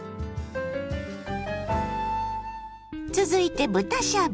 続いて豚しゃぶ。